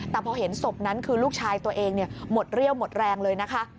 แต่พอเห็นศพนั้นคือลูกชายตัวเองหมดเรี่ยวหมดแรงเลยนะคะ